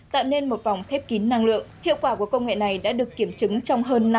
tạo nên một vòng thép kín năng lượng hiệu quả của công nghệ này đã được kiểm chứng trong hơn